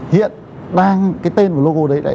hiện cái tên và logo đấy